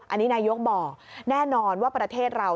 อันนี้นายกบอกแน่นอนว่าประเทศเรา